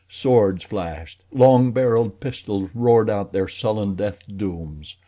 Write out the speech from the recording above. Swords flashed, long barreled pistols roared out their sullen death dooms.